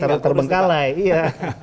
oh iya terbengkalai iya